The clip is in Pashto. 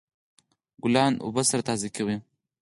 ګلان د اوبو سره تازه کیږي.